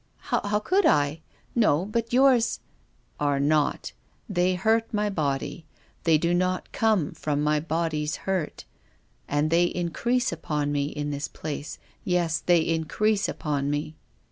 " How could I ? No, but yours —"" Are not. They hurt my body. They do not come from my body's hurt. And they increase upon me in this place, yes, they increase upon me."